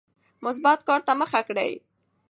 مثبت کار ته مخه کړئ.